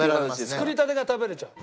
作りたてが食べれちゃう。